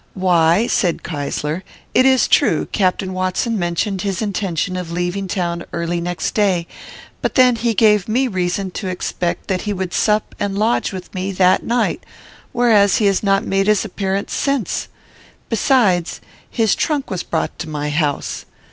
"'Why, (said Keysler,) it is true, Captain Watson mentioned his intention of leaving town early next day; but then he gave me reason to expect that he would sup and lodge with me that night, whereas he has not made his appearance since. Besides, his trunk was brought to my house.